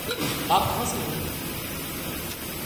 آپ کہاں سے ہوں؟